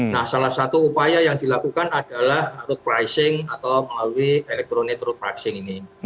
nah salah satu upaya yang dilakukan adalah road pricing atau melalui electronic road pricing ini